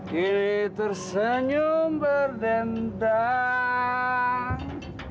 kili tersenyum berdendam